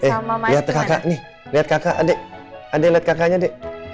sama sama lihat kakak nih lihat kakak adik adik adik kakaknya di